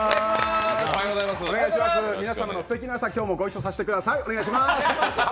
皆様のすてきな朝、今日もご一緒させてください。